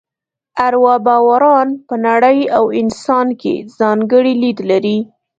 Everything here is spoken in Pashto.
اروا باوران په نړۍ او انسان کې ځانګړی لید لري.